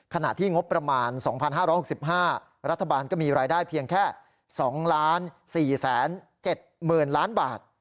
ขณะที่งบประมาณ๒๕๖๕รัฐบาลก็มีรายได้เพียงแค่๒๔๗๐๐๐ล้านบาท